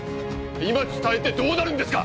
今伝えてどうなるんですか！